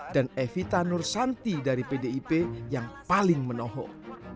dan evita nursanti dari pdip yang paling menohok